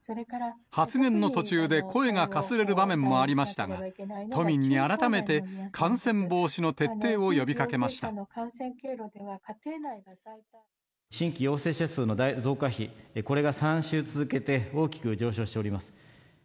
発言の途中で声がかすれる場面もありましたが、都民に改めて、新規陽性者数の増加比、これが３週続けて大きく上昇しております。